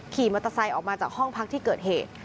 ขี่มอเตอร์ไซค์ออกมาจากห้องพักที่เกิดเหตุ